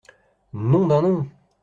Nom d’un nom !